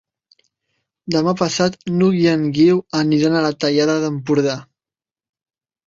Demà passat n'Hug i en Guiu aniran a la Tallada d'Empordà.